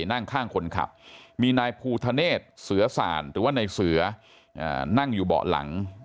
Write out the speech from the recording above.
นั่งข้างคนขับมีนายภูทะเนศเสือสานหรือว่านายเสือนั่งอยู่เบาะหลัง